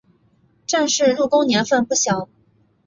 郑氏入宫年份不详。